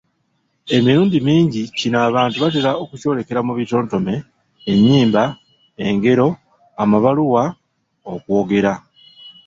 Emirundi mingi kino abantu batera okukyolekera mu bitontome, ennyimba, engero amabaluwa, okwogera.